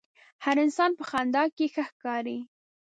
هر انسان په خندا کښې ښه ښکاري.